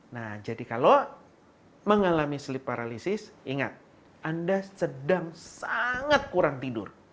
nah jadi kalau mengalami sleep paralisis ingat anda sedang sangat kurang tidur